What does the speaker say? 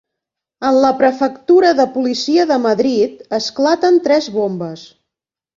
En la prefectura de policia de Madrid esclaten tres bombes.